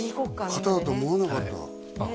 方だと思わなかったあっ